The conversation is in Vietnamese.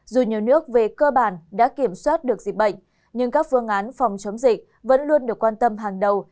dù nhiều nước về cơ bản đã kiểm soát được dịch bệnh nhưng các phương án phòng chống dịch vẫn luôn được quan tâm hàng đầu